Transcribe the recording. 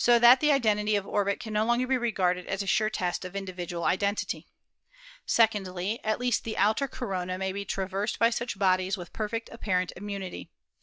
to the south of the ecliptic. that identity of orbit can no longer be regarded as a sure test of individual identity. Secondly, at least the outer corona may be traversed by such bodies with perfect apparent immunity.